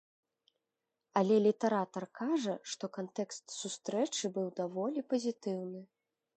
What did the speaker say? Але літаратар кажа, што кантэкст сустрэчы быў даволі пазітыўны.